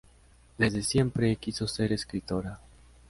Desde siempre quiso ser escritora.